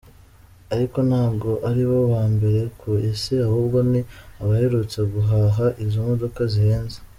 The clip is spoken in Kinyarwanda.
Ariko ntago aribo ba mbere ku isi ahubwo ni abaherutse guhaha izo modoka zihenze.